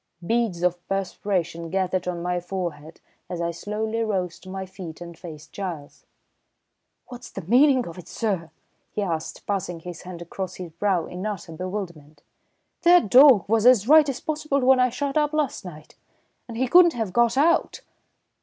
Beads of perspiration gathered on my forehead as I slowly rose to my feet and faced Giles. "What's the meaning of it, sir?" he asked, passing his hand across his brow in utter bewilderment. "That dawg was as right as possible when I shut up last night, and he couldn't have got out."